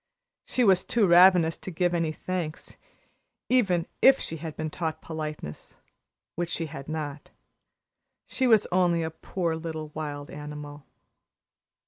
She was too ravenous to give any thanks, even if she had been taught politeness which she had not. She was only a poor little wild animal.